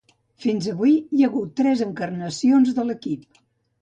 Fins avui, hi ha hagut tres encarnacions de l'equip.